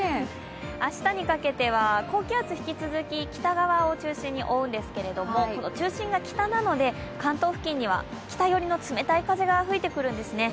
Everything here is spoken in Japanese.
明日にかけては高気圧が引き続き北側を中心に覆うんですけれども、中心が北なので関東付近には北寄りの冷たい風が吹いてくるんですね。